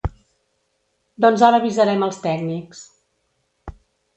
Doncs ara avisarem els tècnics.